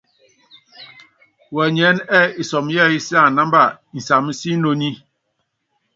Wɛnyɛɛ́nɛ́ ɛ́ɛ́ isɔmɔ yɛ́ɛ́yí yééŋíní ánámba nsamɔ́síinoni.